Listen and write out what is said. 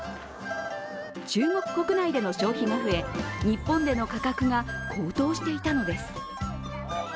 中国国内での消費が増え、日本での価格が高騰していたのです。